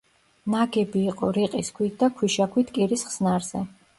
ნაგები იყო რიყის ქვით და ქვიშაქვით კირის ხსნარზე.